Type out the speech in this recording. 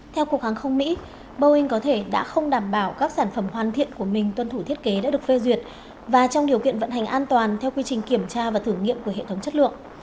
theo cục hàng không mỹ boeing có thể đã không đảm bảo các sản phẩm hoàn thiện của mình tuân thủ thiết kế đã được phê duyệt và trong điều kiện vận hành an toàn theo quy trình kiểm tra và thử nghiệm của hệ thống chất lượng